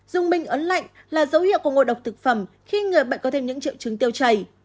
dùng bình ấn lạnh là dấu hiệu của ngộ độc thực phẩm khi người bệnh có thêm những triệu chứng tiêu chày